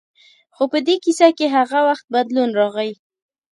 خو په دې کیسه کې هغه وخت بدلون راغی.